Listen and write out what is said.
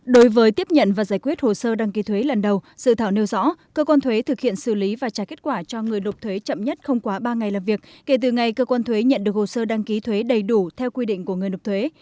đối với tiếp nhận và giải quyết hồ sơ đăng ký thuế lần đầu dự thảo nêu rõ cơ quan thuế thực hiện xử lý và trả kết quả cho người nộp thuế chậm nhất không quá ba ngày làm việc kể từ ngày cơ quan thuế nhận được hồ sơ đăng ký thuế đầy đủ theo quy định của người nộp thuế